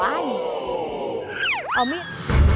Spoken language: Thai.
อ้าวมีด